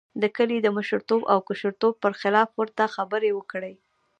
د کلي د مشرتوب او کشرتوب پر خلاف ورته خبرې وکړې.